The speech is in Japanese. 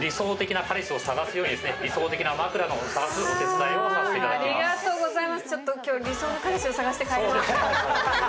理想的な彼氏を探すように、理想的な枕を探すお手伝いをさせていただきます。